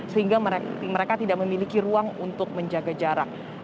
sehingga mereka tidak memiliki ruang untuk menjaga jarak